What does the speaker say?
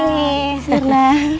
silakan sna pertanian rina